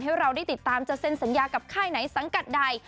ให้เราได้ติดตามจะเซ็นสัญญากับค่ายไหนสังกัดใด